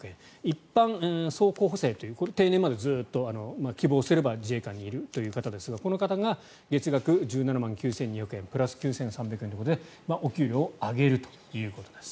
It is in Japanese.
一般曹候補生というこれは定年までずっと希望すれば自衛官にいるという方ですがこの方が月額１７万９２００円でプラス９３００円でお給料を上げるということです。